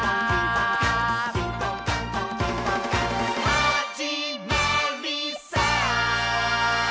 「はじまりさー」